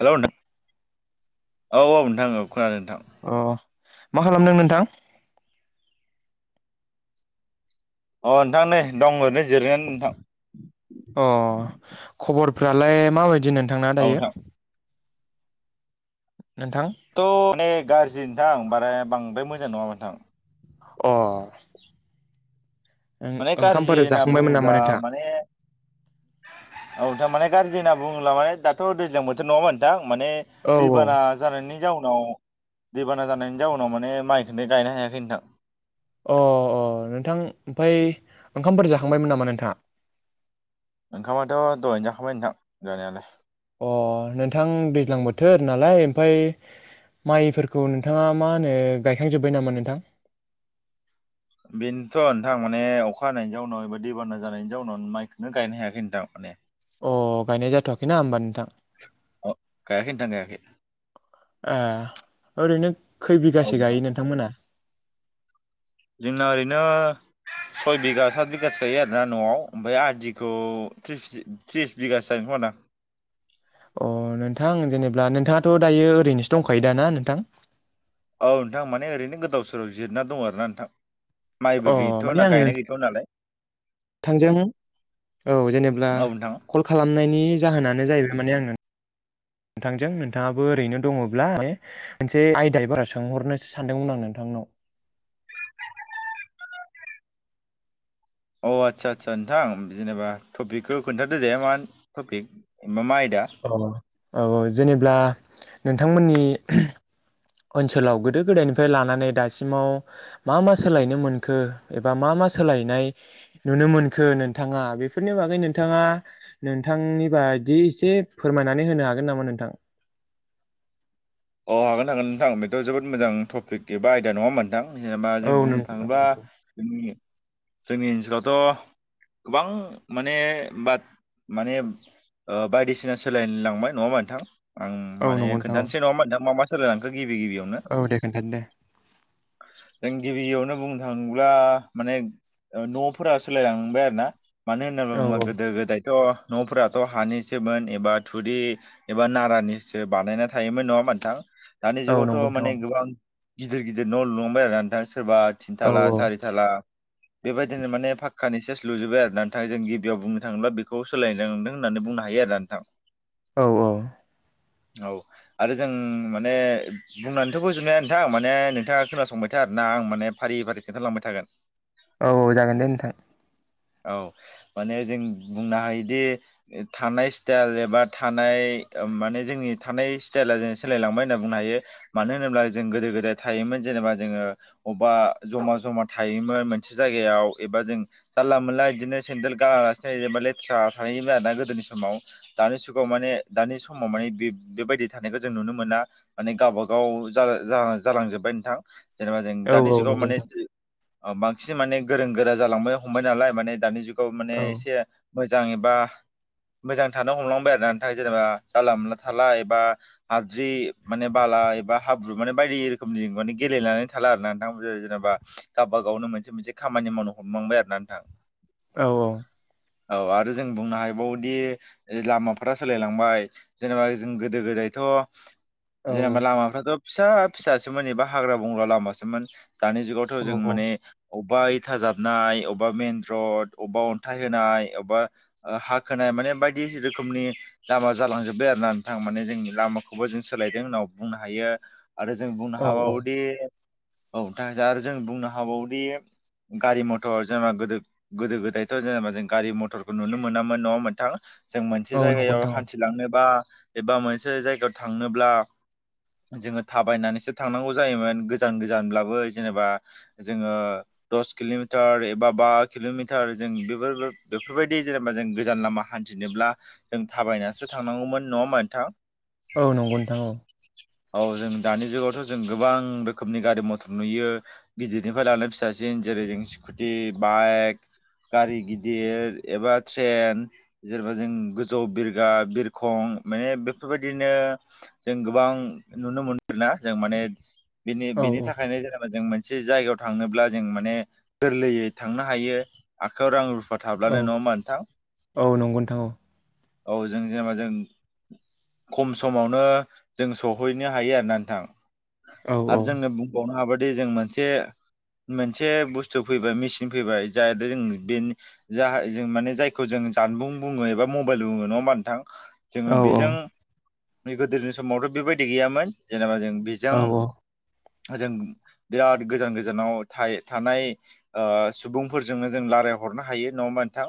हेल' नोंथां औ औ नोंथां खोनादों नोंथां। अ मा खालामदों नोंथां? अ नोंथां नै दं ओरैनो जिरायनानै नोंथां। अ खबरफ्रालाय माबायदि नोंथांना औ दायो? नोंथां नोंथां थ' मे गाज्रि नोंथां बारा बांद्राय मोजां नङा नोंथां। अ माने गाज्रि ओंखामफोर होनना जाखांबायमोन नामा बुङोब्ला नोंथां माने औ थारमाने गारज्रि होनना बुङोब्ला माने दाथ' दैजां बोथोर नङामोनोंथां माने औ दैबाना जानायनि जाउनाव दैबाना जानायनि जाउनाव माने माइखौनो गायनो हायाखै नोंथां। अ अ नोंथां ओमफ्राय ओंखामफोर जाखांबायमोन नामा नोंथाङा? ओंखामाथ' दहायनो जाखाबाय नोंथां जानायालाय। अ नोंथां दैज्लां बोथोर नालाय ओमफाय माइफोरखौ नोंथाङा मा होनो गायखांजोबबाय नामा नोंथां? बेनोथ' नोंथां माने अखा हानायनि जाउनाव एबा दैबाना जानायनि उनाव माइखौनो गायनो हायाखै नोंथां माने अ गायनाय जाथ'वाखैना होमबा नोंथां। अ गायाखै नोंथां गायाखै। ए ओरैनो खै औ बिगासो नोंथां गायो नोंथांमोना? जोंना ओरैनो सय बिगा सात बिगासो गायो आरोना न'आव ओमफ्राय आदिखौ थ्रिस बिगासो जागोन खोमादां। [inaudible] अ' नोंथां जेनेबा नोंथाङाथ' दायो ओरैनोसो दंखायो दाना नोंथां? औ नोंथां माने ओरैनो गोदाव सोराव जिरायना दङ आरोना नोंथां। अ माइबो गैथ' ना गायनाय गैथावा नालाय थांजागोन औ जेनेबा औ नोंथां कल खालामनायनि जाहोनानो जाहैबाय माने आंङो [inaudible] नोंथांजों नोंथाङाबो ओरैनो दङब्ला माने मोनसे आयदाय बारा सोंहरनोसो सानदोंमोन आं नोंथांनाव। [inaudible] अ' आदसा आदसा नोंथां जेनेबा टपिकखौ खोन्थादो दे मा टपिक एबा मा आय अ' औ औ जेनेब्ला नोंथांमोननि ओनसोलाव गोदो गोदायनिफ्राय लानानै दासिमाव मा मा सोलायनो मोनखो एबा मा मा सोलायनाय नुनो मोनखो नोंथाङा बेफोरनि बागै नोंथाङा नोंथांनि बायदि एसे फोरमायनानै होनो हागोन नामा नोंथां। अ' हागोन हागोन नोंथां बेथ' जोबोद मोजां टपिक एबा आयदा नङाओमबा नोंथां। जेनेबा औ जों नों बुंनो थाङोब्ला जोंनि ओनसोलावथ' गोबां माने बा माने बायदिसिना सोलायलांबाय नङा होमबा नोंथां? आं औ माने नंगौ नोंथां औ खोनथानोसै नङा होनबा नोंथां मा मा सोलायलांखो गिबि गिबियावनो औ दे खोन्थानो दे। जों गिबियावनो बुंनो थाङोब्ला माने न'फोरा सोलायलांबाय आरोना मानो होननानै औ बुङोबा औ गोदो गोदाय थ' न'फोराथ' हानिसोमोन एबा थुरि एबा नारानिसो बानायना थायोमोन नङा होमबा नोंथां दानि औ नंगौ जुगावथ' नोंथां माने गोबां गिदिर गिदिर न' लुलांबाय आरो ना नोंथां। सोरबा थिन औ थाला औ। सारि थाला बेबायदिनो माने पाक्कानि सेस लुजोबबाय आरो नोंथां जों गिबियाव बुंनो थाङोब्ला बेखौ सोलायनाय नुदों होननानै बुं बुंनो हायो आरोना नोंथां। औ औ औ आरो जों माने बुंनानैथ' फोजोबनो हाया नोंथां माने नोंथाङा खोनासंबाय था आरोना आं माने फारि फारि खिन्थालांबाय थागोन औ औ जागोन दे नोंथां। औ माने जों बुंनो हायोदि थानाय स्टाइल एबा थानाय माने जोंनि थानाय स्टाइला जोंनि सोलायलांबाय होनना बुंनो हायो। मानो होनोब्ला जों गोदो गोदाय थायोमोन जेनबा जोङो अबेबा जमा जमा थायोमोन मोनसे जायगायाव एबा जों जानला मोनला बिदिनो सेन्देल गानालासिनो लथ्रा थायोमोन आरो ना गोदोनि समाव दानि जुगाव माने दानि समाव बेबायदि थानायखौ जों नुनो मोना माने गावबा गाव जाला -जाला जालांजोबबाय नोंथां। जेनेबा जों औ दानि औ जुगाव नंगौ माने नोंथां बांसिन माने गोरों गोरा जालांनो हमबाय नालाय माने दानि जुगाव माने औ एसे मोजां एबा मोजां थानो हमलांबाय आरोना नोंथां जेनेबा जानला मानला थाला एबा हाद्रि माने बाला एबा हाब्रु माने बायदि रोखोमनि माने गेलेनानै थाला आरो ना नोंथां जेनेबा गावबा गावनो मोनसे मोनसे खामानि मावनो हमलांबाय आरोना नोंथां। औ औ औ आरो जों बुंनो हाबावोदि लामाफोरा सोलायलांबाय जेनेबा जों गोदो गोदाय थ' औ जेनेबा लामाफ्राथ' फिसा फिसासोमोन एबा हाग्रा बंग्रा लामासोमोन। दानि जुगावथ' जों माने अबेबा इथा जाबनाय अबेबा मेन रड अबेबा अन्थाइ होनाय अबेबा हा खोनाय माने बायदि रोखोमनि लामा जालांजोबबाय आरो ना नोंथां माने जोंनि लामाखौबो जों सोलायदों उनाव बुंनो हायो आरो जों औ बुंनो औ हाबावोदि औ नोथां जा आरो जों बुंनो हाबावोदि गारि मथर जेनेबा गोदो गोदो गोदायथ' जेनेबा जों गारि मथरखौ नुनो मोनामोन न'आव मोनथां जों औ मोनसे नंगौ जायगायाव नोंथां हान्थिलांनोबा एबा मोनसे जायगायाव थांनोब्ला जोङो थाबायनानैसो थांनांगौ जायोमोन गोजान गोजानब्लाबो जेनेबा जोङो दस किल'मिटार एबा बा किल'मिटार जों बेफोर बेफोरबायदि जेनेबा जों गोजान लामा हान्थिनोब्ला जों थाबायनासो थांनांगौमोन नङा मोनोनोंथां औ नंगौ नोंथां औ औ जों दानि जुगावथ' जों गोबां रोखोमनि गारि मथर नुयो गिदिरनिफ्राय लानानै फिसासिन जेरै जों स्कुटि बाइक गारि गिदिर एबा ट्रेन जेनेबा जों गोजौ बिरग्रा बिरखं माने बेफोरबायदिनो जों गोबां नुनो मोनोना जों माने बेनि औ बेनि औ थाखायनो जेनेबा जों मोन मोनसे जायगायाव थांनोब्ला जों माने गोरलैयै थांनो हायो आखायाव रां रु सा औ थाब्लानो नङा नोंथां औ नंगौ नोंथां औ जों जेनेबा जों खम समावनो जों सहैनो हायो आरोना नोंथां औ औ आरो जोङो बुंबावनो हाबायदि जों मोनसे मोनसे बुस्थु फैबाय मेचिन फैबाय जाहाथे जों बेनि जायजों माने जायखौ जों जानबुं एबा मबाइल बुङो नङा होनबा नोंथां औ जोङो बेजों गोदोनि समावथ' बेबायदि गैयामोन जेनेबा जों औ बेजों जों बिराद गोजान गोजानाव थानाय ओ सुबुंफोरजोंनो जों लाराय हरनो हायो नङा होमबा नोंथां?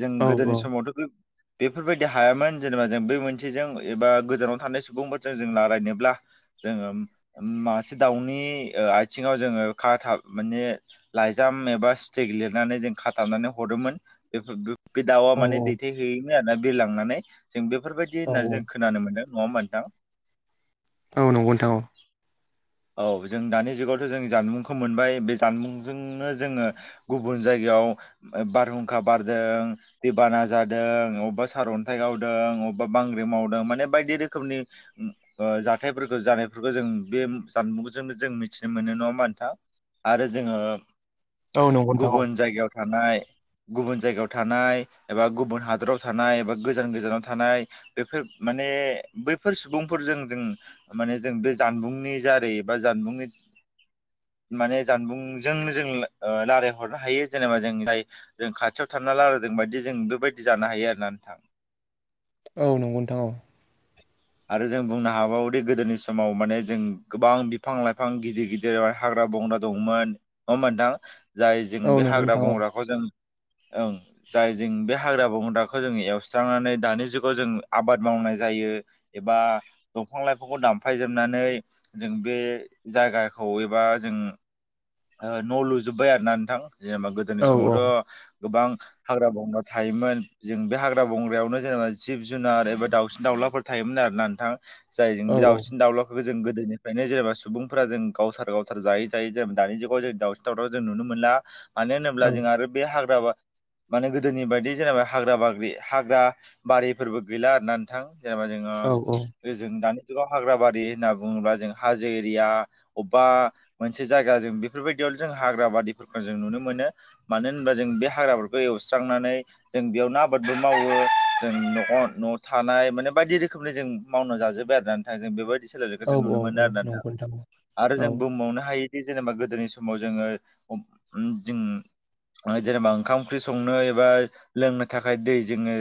जों औ गोदोनि समावथ' बेफोरबायदि हायामोन जेनेबा जों बे मोनसे जों एबा गोजानाव थानाय सुबुंफोरजों जों रायलायनोब्ला जोङो मासे दाउनि ओ आथिङाव जोङो खा थाब माने लाइजाम एबा सिथिग लिरनानै जों खाथाबनानै हरोमोन बे बे दाउआ औ माने औ दैथायहैयोमोन आरोना बिरलांनानै जों बेफोरबायदि औ होननानै जों खोनानो मोनदों नङा होमबा नोंथां? औ नंगौ नोंथां औ औ जों दानि जुगावथ' जों जानबुंखौ मोनबाय बे जानबुंजोंनो जोंङो गुबुन जायगायाव बारहुंखा बारदों दैबाना जादों अबेबा सारअन्थाइ गावदों बबेबा बांग्रि मावदों माने बायदि रोखोमनि ओ जाथायफोरखौ जानायफोरखौ जों बे जानबुंजोंनो जों मिथिनो मोनो नङा होमबा नोंथां आरो जोङो औ नंगौ नोंथां गुबुन जायगायाव थानाय गुबुन जायगायाव थानाय एबा गुबुन हादराव थानाय एबा गोजान गोजानाव थानाय बेफोर बैफोर सुबुंफोरजों जों मान जों बे जानबुंनि जा बा जानबुंनि [inaudible] [unintelligible] माने जानबुंजोंनो जों रायलायहरनो हायो जेनेबा जों जाय जों खाथियाव थानना रालाय दि जों बायदि जों बेबायदि जानो हायो आरोना नोंथां। औ नंगौ नोंथां औ आरो जों बुंनो हाबावोदि गोदोनि समाव माने जों गोबां बिफां लाइफां गिदिर गिदिर हाग्रा हाग्रा बंग्रा दंमोन नङा मोनथां जाय जों औ बे नंगौ हाग्रा नोंथां बंग्राखौ जों ओं जाय जों बे हाग्रा बंग्राखौ जों एवस्रांनानै दानि जुगाव जों आबाद मावनानै जायो एबा दंफां लाइफांखौ दानफायजोबनानै जों बे जायगाखौ एबा जों [inaudible] [unintelligible] न' लुजोब्बाय आरो ना नोंथां जेनेबा गोदोनि औ औ समावथ' गोबां हाग्रा बंग्रा थायोमोन जों बे हाग्रा बंग्रायावनो जेनेबा जिब जुनार एबा दाउसिन दाउलाफोर थायोमोन आरोना नोंथां जायजों औ बे दाउसिन दाउलाफोरखो जों गोदोनिफ्रायनो जेनेबा सुबुंफोरा जों गावथार गावथार जायै जायै जेनेबा दानि जुगाव जों दावसिन दावलाखो जों नुनो मोनला मानो होनोब्ला औ जों आरो बे हाग्रा बा माने गोदोनि बायदि जेनेबा हाग्रा बाग्रि हाग्रा बारिफोरबो गैला आरोना नोंथां जेनेबा जोङो औ ओजों दानि हाग्राबारि होनना बुङोब्ला जों हाजो एरिया अबबा मोनसे जायगा जों बेफोरबायदियाव फोरजों हाग्रा बारिफोरखौ जों नुनो मोनो मानो होनोबा जों बे हाग्राफोरखौ एवस्रांनानै जों बेयाव फुना आबादबो मावो जों न नआव थानाय माने। बायदि रोखोमनि जों मावना जाजोब्बाय आरो नोंथां जों बेबायदि सोलायनायखौ औ जों नुनो मोनो आरो नोंथां आरो औ जों बुंबावनो हायो। बे जेनेबा गोदोनि समाव जोङो अ उम जों। जेनेबा ओंखाम ओंख्रि संनो एबा लोंनो थाखाय दै जोङो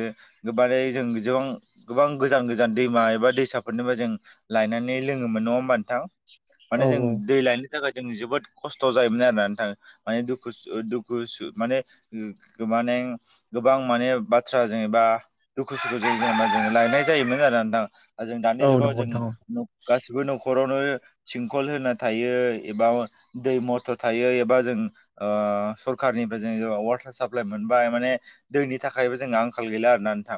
गोबारै जों जौ गोबां गोबां गोजान गोजान दैमा एबा दैसाफोरनिबा जों लायनानै लोङोमोन नङा होमबा नोंथां? औ माने जों दै लायनो थाखाय जों जोबोद खस्थ जायोमोन आरोना नोंथा माने दुखु दुखु सु माने माने गोबां माने बाथ्रा जेनेबा दुखु सुखुजों जेनेबा जों। लायनाय जायोमोन आरो नोंथां जों दानि औ जुगाव नंगौ नोंथां जों गासिबो नख खरावनो थिंखल होना थायो एबा दै मथर थायो एबा जों ओ सरखारनिफ्राय जों वाटार साप्लाइ मोनबाय माने दैनि थाखायबो जोंहा आंखाल गैला आरो ना नोंथां।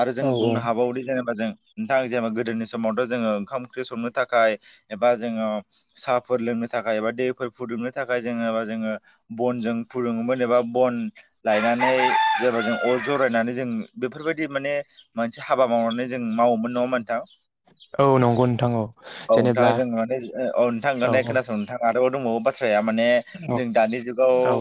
आरो जों औ औ बुंनो हाबावोदि जेनेबा जों नोंथां जेनेबा गोदोनि समावथ जोङो ओंखाम ओंख्रि संनो थाखाय एबा जोङो साफोर लोंनो। थाखाय दैफोर फुदुंनो थाखाय जाङो जोङो बन फुदुङोमोन एबा बन गायनानै जेनबा जों अ जरायनानै जों बेफोरबायदि माने। मोनसे हाबा मावनानै जों मावोमोन नङाहोमबा नोंथां? औ नंगौ नोंथां औ औ जेनेब्ला नोंथाङा जों माने औ नोंथां दे खोनासं नोंथाङा आं दाबो दंबावो बाथ्राया माने औ जों दानि जुगाव औ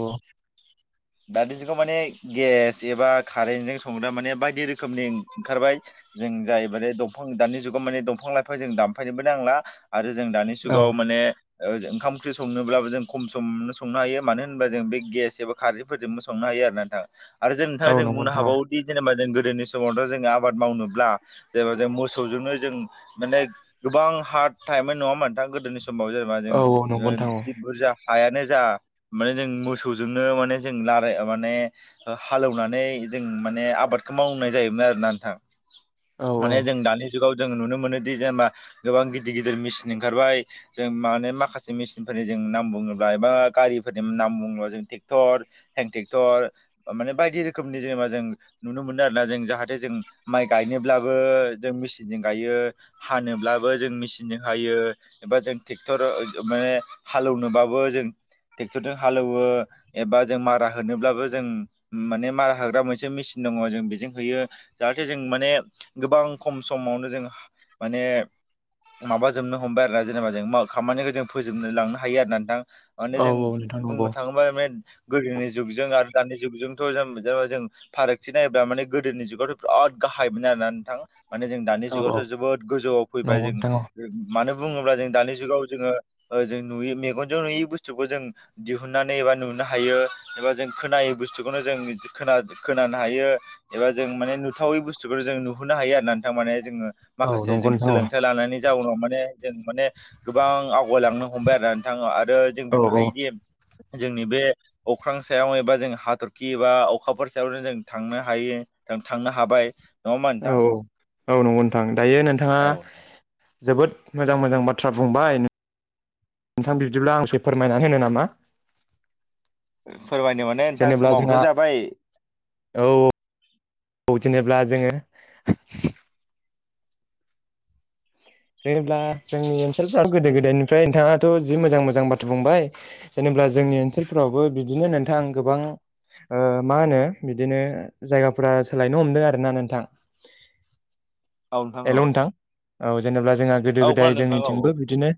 दानि जुगाखौ माने गेस एबा कारेन्टजों संग्रा माने बायदि रोखोमनि। ओंखारबाय जों जाय माने दंफां दानि जुगाव माने दंफां लाइफां जों दानफायनोबो नांला। आरो जों दानि औ जुगाव माने ओ ओंखाम ओंख्रि संनोब्लाबो जों खम समनो संनो हायो मानो होनबा जों बे गेस एबा खारैफोरजोंबो संनो हा यो आरोना नोंथां आरो जों नोंथाङा औ जों नंगौ बुंनो नोंथां औ हाबावोदि जेनेबाों गोदोनि समावथ जों जों आबाद मावनोब्ला जेनबा जों मोसौजोंनो जों माने गोबां हार्ड थायोमोन नङा [unintelligible] गोदोनि‌‌ समाव जों औ औ नंगौ नोंथां औ बिसि बुरजा हायानो जा माने जों मोसौजोंनो माने जों लाराय माने हालेवनानै। जों माने आबादखौ मावनाय जायोन आरोना नोंथां औ माने जों दानि जुगाव जों नुनो मोनोदि जेनेबा गोबां गिदिर गिदिर मेचिन ओंखारबाय जों माने माखासे मेसिनफोरनि जों। नाम बुङोब्ला एबा गारिफोरनि नाम बुङोब्ला टेकटर हेनटेकटर उम माने बायदि जि रोखोमनि जेनेबा जों नुनो मोनो आरोना जों जाहाथे जों। माइ गायनोब्लाबो जों मेचिनजों गायो हानोब्लाबो जों मेचिनजों हायो एबा जों ट्रेक्टर माने हालोवनोबाबो जों ट्रेक्टरजों हालोवो एबा जों मारा होनोब्लाबो जों माने मारा होग्रा मोनसे मेसिन। दङ जों बेजों होयो। जाहाथे जों माने गोबां खम समावनो जों माने। माबाजोबनो हमबाय आरोना जेनेबा जों खामानिखौ जों फोजोबनो लांनो हायो आरो ना नोंथां माने औ जों नोंथां नंगौ बुंनो थाङोबा माने। गोदोनि जुगजों आरो दानि जुगजोंथ जों जेन जों फारागथि नायोब्ला माने गोदोनि जुगावथ बिराद गाहाय मोन आरोना नोंथां माने जों दानि औ जुगावथ औ जोबोद गोजौआव फैबाय नंगौ जों नोंथां औ मानो। बुङोब्ला जों दानि जुगाव जोङो जों नुयै मेगन ज नुयै बुस्थुखौ जों दिहुननानै एबा नुनो। हायो एबा जों खोनायो बुस्थुखौनो जों खोनानो हायो एबा जों माने नु। जाथावै बुस्थुखौ जों नुहनो हायो आरो नोंथां माने जों औ माखासे नंगौ जों नोंथां औ सोलोंथाइ लानानै जाउनाव माने ने जों माने गोबां आवगायलांनो हमबाय आरोना नोंथां ओ आरो जों औ बुंनो औ हायोदि जोंनि बे अख्रां सायाव एबा जों हाथरखि एबा अखाफोर सायावनो जों थांनो हायो। जों थांनो हाबाय। होमबा औ नोंथां औ औ नंगौ नोंथां दायो नोंथाङा औ जोबोद मोजां मोजां बाथ्रा बुंबाय। नोंथां बिब्दिब्ला आं एसे फोरमायनानै होनो नामा? फोरमायनो माने नोंथां जेनेबा समाबोथ' जोंहा जाबाय औ औ जेनेबा जोङो जेनेब्ला जोंनि ओनसोलफ्राव गोदो गोदायनिफ्राय नोंथाङाथ' जि मोजां मोजां बाथ्रा बुंबाय जेनेब्ला जोंनि ओनसोलफोरावबो बिदिनो नोंथां आं गोबां ओ मा होनो बिदिनो जायगाफोरा सोलायनो हमदों आरोना नोंथां। औ नोंथां औ। औ जेनेबा जोंहा गोदो औ गोदाय खोनादों नोंथां औ जोंनिथिंबो बिदिनो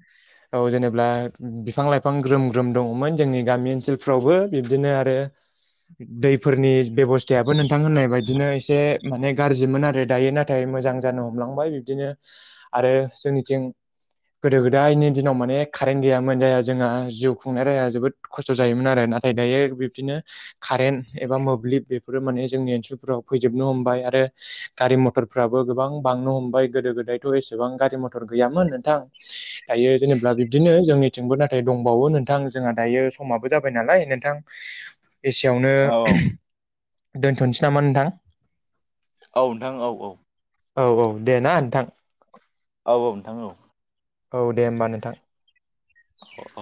औ जेनेब्ला बिफां लाइफां ग्रोम ग्रोम दङमोन जोंनि गामि ओनसोलफ्रावबो बिबदिनो आरो दैफोरनि बेबस्थायाबो नोंथां होननाय बायदिनो एसे माने गाज्रिमोन आरो दायो नाथाय मोजां जानो हमलांबाय बिबदिनो आरो जोंनिथिं गोदो गोदायनि दिनाव माने कारेन्ट गैयामोन जायहा जोंहा जिउ खुंनाय राया जोबोद खस्थ' जायोमोन आरो। नाथाय दायो बिब्दिनो कारेन्ट एबा मोब्लिब बेफोरो माने जोंनि ओनसोलफोराव फैजोबनो हमबाय आरो ओ गारि मथरफ्राबो गोबां बांनो हमबाय गोदो गोदायथ' एसेबां गारि मथर गैयामोन नोंथां दायो जेनेब्ला बिदिनो ओ जोंनिथिंबो नाथाय दंबावो नोंथां जोंहा दायो समाबो जाबाय नालाय नोंथां एसेयावनो औ दोनथ'सै नामा नोंथां? औ नोंथां औ औ। औ औ दे ना नोंथां। औ औ नोंथां औ। औ दे होमबा नोंथां।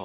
औ।